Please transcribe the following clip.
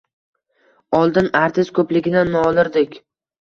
Oldin artist ko‘pligidan nolirdik